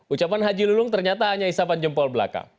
ucapan haji lulung ternyata hanya isapan jempol belakang